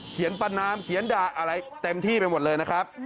เขียนปันน้ำเขียนดาอะไรเต็มที่ไปหมดเลยนะครับ